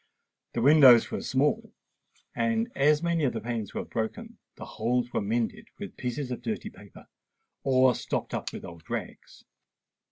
The windows were small; and, as many of the panes were broken, the holes were mended with pieces of dirty paper, or stopped up with old rags.